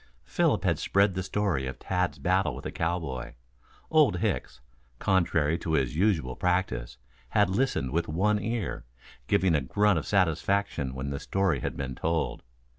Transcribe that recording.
Philip had spread the story of Tad's battle with the cowboy. Old Hicks, contrary to his usual practice, had listened with one ear, giving a grunt of satisfaction when the story had been told.